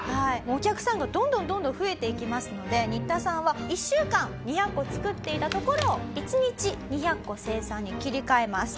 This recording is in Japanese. お客さんがどんどんどんどん増えていきますのでニッタさんは１週間２００個作っていたところを１日２００個生産に切り替えます。